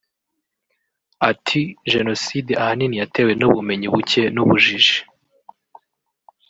ati “Jenoside ahanini yatewe n’ubumenyi buke n’ubujiji